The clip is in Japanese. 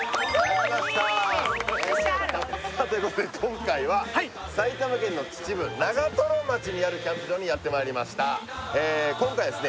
いいねスペシャルさあということで今回ははい埼玉県の秩父長瀞町にあるキャンプ場にやってまいりました今回はですね